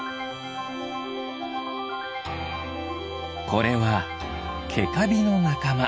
これはケカビのなかま。